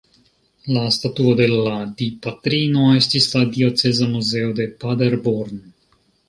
La statuo de la Dipatrino estis de la dioceza muzeo de Paderborn.